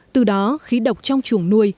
từ đó khí độc trong chuồng nuôi